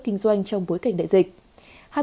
kinh doanh trong bối cảnh đại dịch